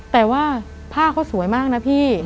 แต่ว่าผ้าเขาสวยมากนะพี่